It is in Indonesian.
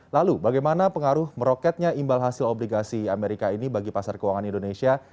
lalu bagaimana pengaruh meroketnya imbal hasil obligasi amerika ini bagi pasar keuangan indonesia